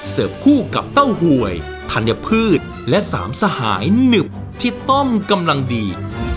คู่กับเต้าหวยธัญพืชและสามสหายหนึบที่ต้มกำลังดี